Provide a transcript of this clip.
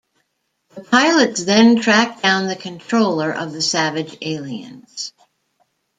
The pilots then track down the controller of the savage aliens.